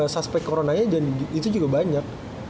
suspek coronanya dan itu juga banyak